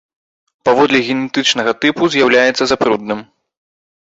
Паводле генетычнага тыпу з'яўляецца запрудным.